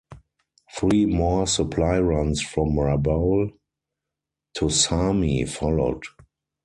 Three more supply runs from Rabaul to Sarmi followed.